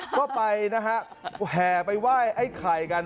ก็ไปนะฮะแห่ไปไหว้ไอ้ไข่กัน